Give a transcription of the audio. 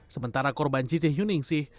sementara korban cici yuningsih